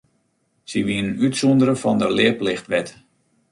Sy wienen útsûndere fan de learplichtwet.